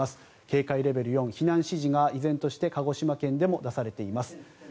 警戒レベル４、避難指示が依然として鹿児島県でも出されています。